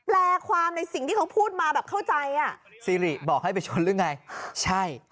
ความในสิ่งที่เขาพูดมาแบบเข้าใจอ่ะซีริบอกให้ไปชนหรือไงใช่